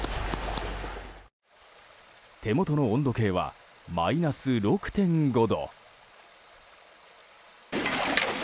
手元の温度計はマイナス６．５度。